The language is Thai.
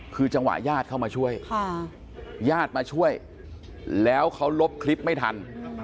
คือจังหวะญาติเข้ามาช่วยญาติมาช่วยแล้วเขาลบคลิปไม่ทัน